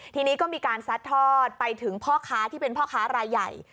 ทีนี้ก็มีการซัดทอดไปถึงพ่อค้าที่เป็นพ่อค้ารายใหญ่